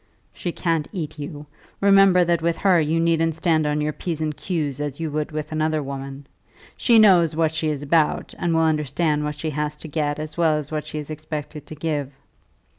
"She can't eat you. Remember that with her you needn't stand on your p's and q's, as you would with another woman. She knows what she is about, and will understand what she has to get as well as what she is expected to give.